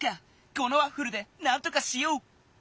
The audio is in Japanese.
このワッフルでなんとかしよう！